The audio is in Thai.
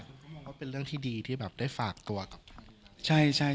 มองว่าเป็นเรื่องที่ดีที่ได้ฝากตัวกับพระอาทิตย์